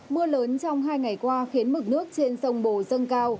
mưa lớn trong hai ngày qua khiến mực nước trên sông bồ dâng cao